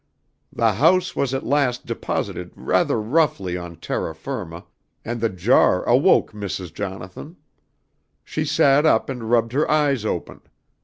"The house was at last deposited rather roughly on terra firma and the jar awoke Mrs. Jonathan. She sat up and rubbed her eyes open.